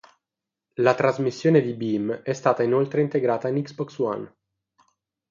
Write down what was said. La trasmissione di Beam è stata inoltre integrata in Xbox One.